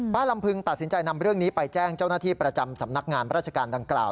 ลำพึงตัดสินใจนำเรื่องนี้ไปแจ้งเจ้าหน้าที่ประจำสำนักงานราชการดังกล่าว